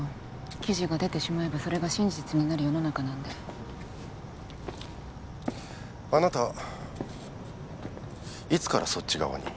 記事が出てしまえばそれが真実になる世の中なんであなたいつからそっち側に？